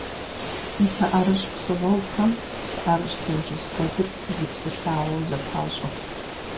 Мис а ӀэрыщӀ псы гъуэгухэм псы ӀэрыщӀ, тенджыз куэдыр зы псы лъагъуэу зэпащӀэ.